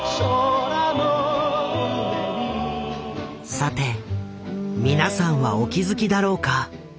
さてみなさんはお気付きだろうか。